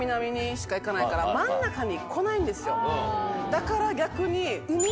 だから逆に。